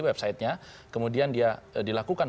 websitenya kemudian dia dilakukan